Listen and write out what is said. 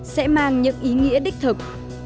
sẽ mang những ý nghĩa đích thực